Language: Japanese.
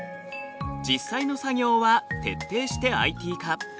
実際の作業は徹底してＩＴ化。